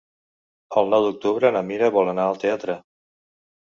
El nou d'octubre na Mira vol anar al teatre.